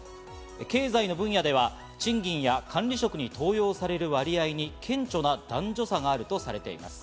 経済の分野では賃金や管理職に登用される割合に顕著な男女差があるとされています。